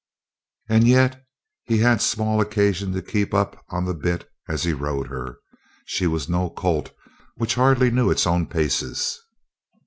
And yet he had small occasion to keep up on the bit as he rode her. She was no colt which hardly knew its own paces.